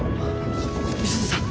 美鈴さん